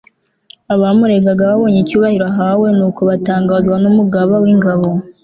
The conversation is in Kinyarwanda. abamuregaga babonye icyubahiro ahawe n'uko byatangazwaga n'umugaba w'ingabo